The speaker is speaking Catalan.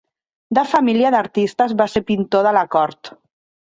De família d'artistes, va ser pintor de la cort.